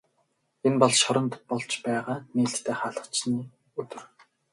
Энэ бол шоронд болж байгаа нээлттэй хаалганы өдөр.